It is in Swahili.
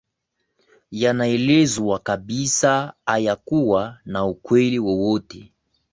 yanaelezwa kabisa hayakuwa na ukweli wowote